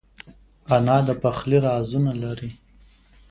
انا د پخلي رازونه لري